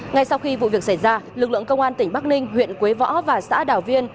ngay sau khi vụ việc xảy ra lực lượng công an tỉnh bắc ninh huyện quế võ và xã đảo viên